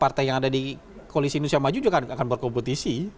partai yang ada di koalisi indonesia maju juga akan berkompetisi